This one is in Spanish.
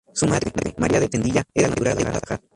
Su madre, María de Tendilla, era natural de Guadalajara.